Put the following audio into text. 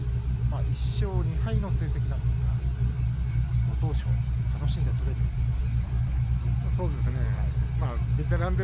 １勝２敗の成績なんですがご当所、楽しんで取れているとも言っていますね。